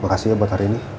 makasih ya buat hari ini